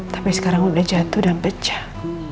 tapi sekarang udah jatuh dan pecah